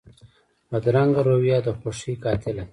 بدرنګه رویه د خوښۍ قاتله ده